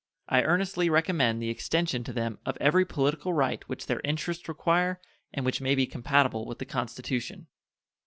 I earnestly recommend the extension to them of every political right which their interests require and which may be compatible with the Constitution.